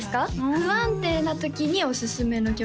不安定な時におすすめの曲？